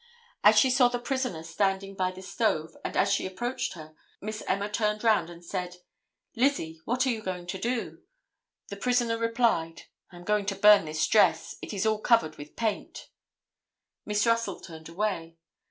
As she saw the prisoner standing by the stove and as she approached her, Miss Emma turned round and said, "Lizzie, what are you going to do?" The prisoner replied, "I am going to burn this dress, it is all covered with paint." Miss Russell turned away.